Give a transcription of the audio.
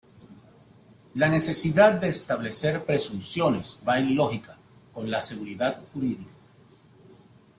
La necesidad de establecer presunciones va en lógica con la seguridad jurídica.